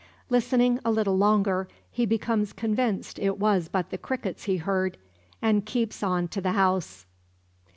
Listening a little longer, he becomes convinced it was but the crickets he heard, and keeps on to the house.